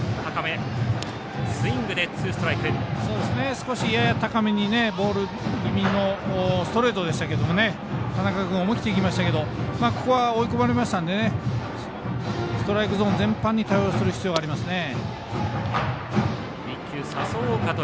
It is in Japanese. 少し、やや高めにボール気味のストレートでしたけど田中君思い切っていきましたけど追い込まれましたのでストライクゾーン全般に対応する必要がありますね。